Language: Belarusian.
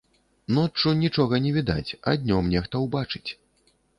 Ноччу нічога не відаць, а днём нехта ўбачыць.